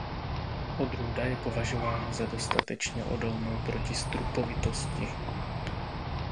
Odrůda je považována za dostatečně odolnou proti strupovitosti.